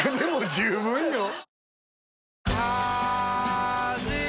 十分よ